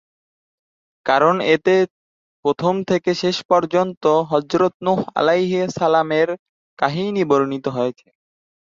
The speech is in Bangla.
কারণ এতে প্রথম থেকে শেষ পর্যন্ত হযরত ‘নূহ’ আলাইহিস সালামের কাহিনী বর্ণিত হয়েছে।